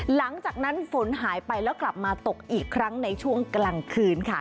หลังจากนั้นฝนหายไปแล้วกลับมาตกอีกครั้งในช่วงกลางคืนค่ะ